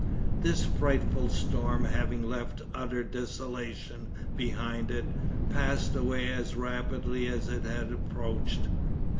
This frightful storm having left utter desolation behind it, passed away as rapidly as it had approached.